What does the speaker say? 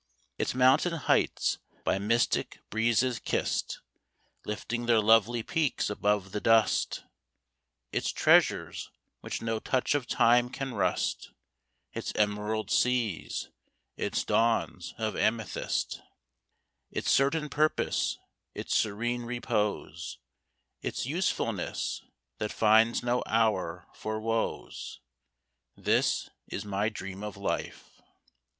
Its mountain heights by mystic breezes kissed, Lifting their lovely peaks above the dust; Its treasures which no touch of time can rust, Its emerald seas, its dawns of amethyst, Its certain purpose, its serene repose, Its usefulness, that finds no hour for woes, This is my dream of Life.